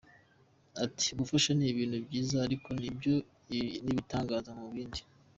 Ati “Gufasha ni ibintu byiza ariko ibi byo ni ibitangaza mu bindi